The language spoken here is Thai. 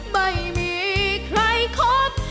ไม่มีใครคบ